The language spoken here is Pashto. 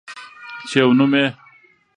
چې يو نوم يې